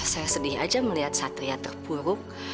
saya sedih aja melihat satria terburuk